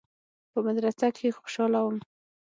په مدرسه کښې خوشاله وم.